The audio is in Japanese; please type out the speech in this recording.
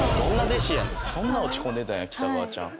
そんな落ち込んでたんや北川ちゃん。